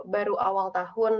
baru awal tahun